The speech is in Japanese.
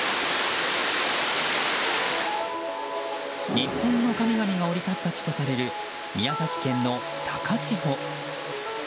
日本の神々が降り立った地とされる宮崎県の高千穂。